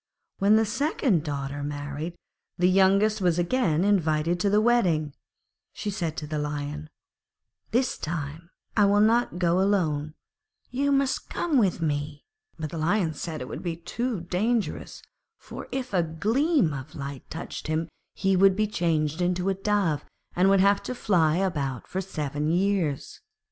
When the second daughter married, and the youngest was again invited to the wedding, she said to the Lion, 'This time I will not go alone, you must come too.' But the Lion said it would be too dangerous, for if a gleam of light touched him he would be changed into a Dove and would have to fly about for seven years.